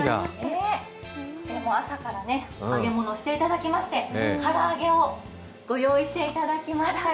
朝から揚げ物をしていただきまして、唐揚げをご用意していただきましたよ。